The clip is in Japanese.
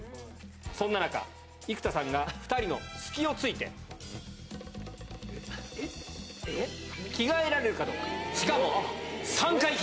そんな中、生田さんが２人の隙をついて、着替えられるかどうか。